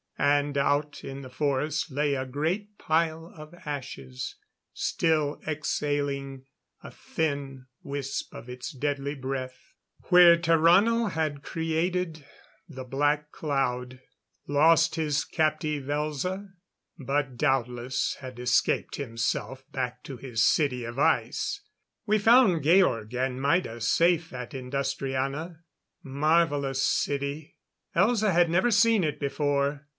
And out in the forest lay a great pile of ashes, still exhaling a thin wisp of its deadly breath where Tarrano had created the Black Cloud; lost his captive Elza, but doubtless had escaped himself back to his City of Ice. We found Georg and Maida safe at Industriana. Marvelous city! Elza had never seen it before.